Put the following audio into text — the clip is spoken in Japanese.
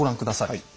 はい。